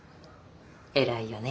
偉いよね